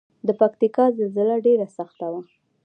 د پکتیکا زلزله ډیره سخته وه